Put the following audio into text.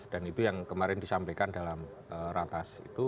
dan itu yang kemarin disampaikan dalam ratas itu